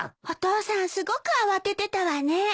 お父さんすごく慌ててたわね。